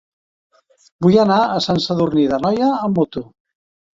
Vull anar a Sant Sadurní d'Anoia amb moto.